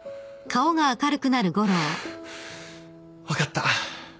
分かった。